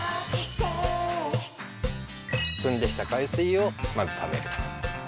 くんできた海水をまずためる。